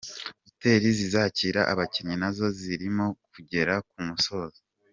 Hotel zizakira abakinnyi na zo zirimo kugera ku musozo.